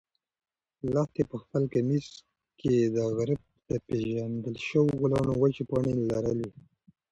لښتې په خپل کمیس کې د غره د پېژندل شوو ګلانو وچې پاڼې لرلې.